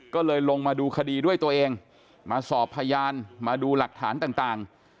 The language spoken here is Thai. ก็เลยลงมาดูคดีด้วยตัวเองมาสอบพยานมาดูหลักฐานต่าง